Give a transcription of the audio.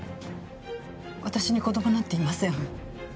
私に子供なんていません。